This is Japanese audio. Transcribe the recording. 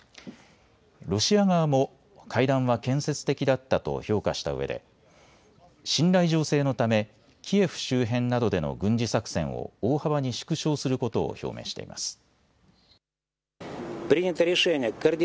ロシア側も会談は建設的だったと評価したうえで信頼醸成のためキエフ周辺などでの軍事作戦を大幅に縮小することを表明しています。